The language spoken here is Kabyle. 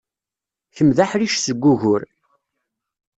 Kemm d aḥric seg wugur.